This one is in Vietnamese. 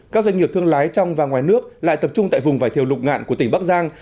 các doanh nghiệp thương lái trong và ngoài nước lại tập trung tại vùng vải thiều lục ngạn của tỉnh bắc giang